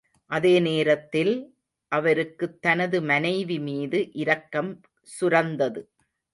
அதே நேரத்தில், அவருக்குத் தனது மனைவி மீது இரக்கம் சுரந்தது.